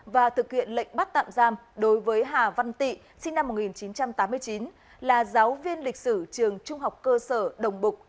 và thực hiện lệnh bắt tạm giam đối với hà văn tị sinh năm một nghìn chín trăm tám mươi chín là giáo viên lịch sử trường trung học cơ sở đồng bục